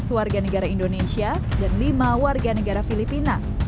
tiga belas warga negara indonesia dan lima warga negara filipina